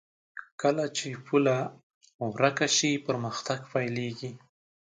کله چې پوله ورکه شي، پرمختګ پيلېږي.